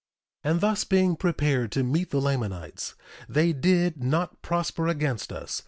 1:9 And thus being prepared to meet the Lamanites, they did not prosper against us.